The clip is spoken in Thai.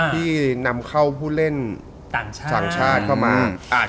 ที่นำเขาผู้เล่นต่างชาติเข้ามา